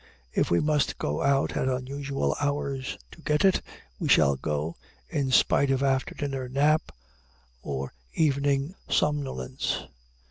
If we must go out at unusual hours to get it, we shall go, in spite of after dinner nap or evening somnolence.